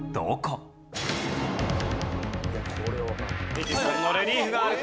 エジソンのレリーフがある。